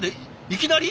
いきなり？